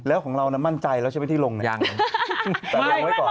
แล้วของเราน่ะมั่นใจแล้วใช่ไหมที่ลงเนี่ยอย่างนั้น